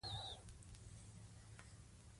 د چا په وړاندې سپکاوی مه کوئ.